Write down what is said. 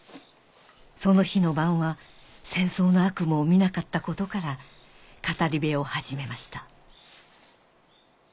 その日の晩は戦争の悪夢を見なかったことから語り部を始めました